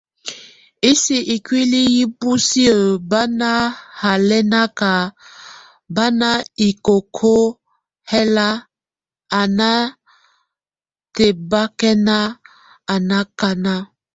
Ɛ́sʼ ikuli yi busi bá nahalɛnak bá na hikokó ɔl a nátebakɛnak, á nakana.